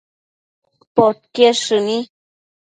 podquied shëni